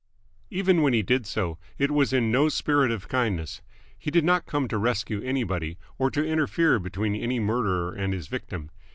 Even when he did so, it was in no spirit of kindness. He did not come to rescue anybody or to interfere between any murderer and his victim.